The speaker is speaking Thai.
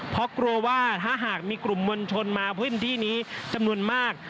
เพราะกลัวว่าถ้าหากมีกลุ่มมวลชนมาพื้นที่นี้จำนวนมาก